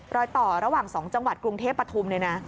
รอยต่อระหว่าง๒จังหวัดกรุงเทพปฐุมเลยนะ